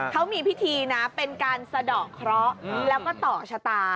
เขามีพิธีนะเป็นการสะดอกเคราะห์แล้วก็ต่อชะตา